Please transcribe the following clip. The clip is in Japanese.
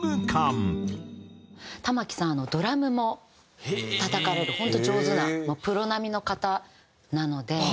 玉置さんドラムもたたかれる本当上手なプロ並みの方なので。